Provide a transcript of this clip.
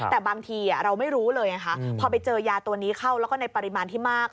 แต่บางทีเราไม่รู้เลยไงคะพอไปเจอยาตัวนี้เข้าแล้วก็ในปริมาณที่มาก